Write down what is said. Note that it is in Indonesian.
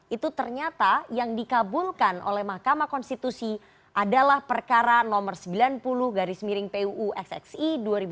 itu ternyata yang dikabulkan oleh mahkamah konstitusi adalah perkara nomor sembilan puluh garis miring puu xxi dua ribu dua puluh